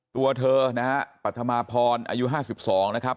ตัวเธอนะฮะปัธมาพรอายุ๕๒นะครับ